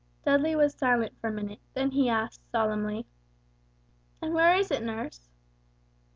Dudley was silent for a minute, then he asked, solemnly, "And where is it, nurse?"